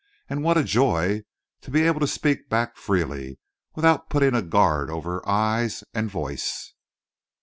And what a joy to be able to speak back freely, without putting a guard over eyes and voice!